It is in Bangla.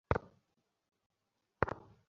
এতে সে চেষ্টার ত্রুটি করে না।